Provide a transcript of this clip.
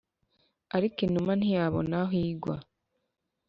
Ariko inuma ntiyabona aho igwa